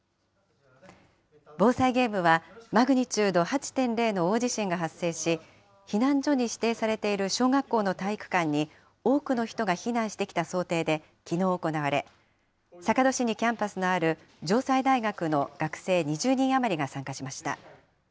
防災ゲームは、マグニチュード８．０の大地震が発生し、避難所に指定されている小学校の体育館に、多くの人が避難してきた想定で、きのう行われ、坂戸市にキャンパスのある城西大学の学生２０人余りが参加しました。